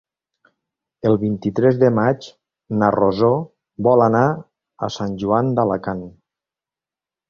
El vint-i-tres de maig na Rosó vol anar a Sant Joan d'Alacant.